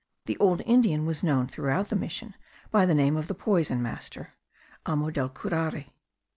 The old Indian was known throughout the mission by the name of the poison master (amo del curare).